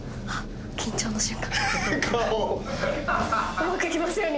うまくいきますように。